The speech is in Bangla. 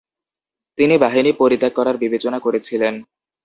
তিনি বাহিনী পরিত্যাগ করার বিবেচনা করেছিলেন।